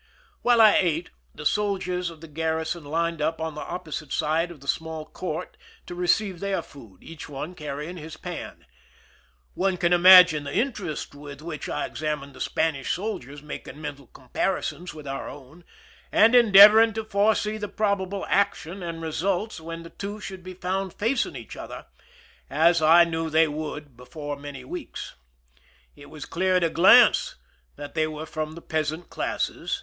While I ate, the soldiers of the garrison lined up on the opposite side of the small court to receive their food, each one carrying his pan. One can imagine the interest with which I examined the Spanish soldiers, making mental comparisons with our own, and endeavoring to foresee the probable action and results when the two should be found facing each other, as I knew they would before many weeks. It was clear at a glance that they were from the peasant classes.